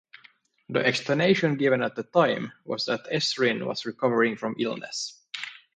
The explanation given at the time was that Ezrin was recovering from illness.